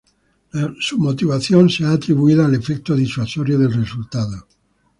Su motivación se ha atribuido al efecto disuasorio del resultado.